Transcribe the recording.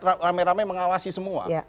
rame rame mengawasi semua